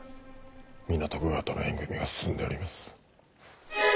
皆徳川との縁組みが進んでおります。